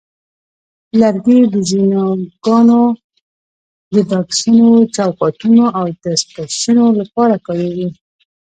لرګي د ځینو ګاڼو د بکسونو، چوکاټونو، او دستکشیو لپاره کارېږي.